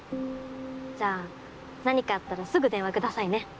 じゃあ何かあったらすぐ電話くださいね。